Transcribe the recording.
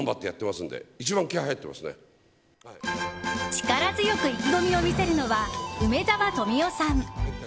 力強く意気込みを見せるのは梅沢富美男さん。